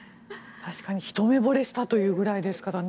確かにひと目ぼれしたというぐらいですからね。